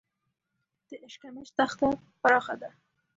د اشکمش دښته پراخه ده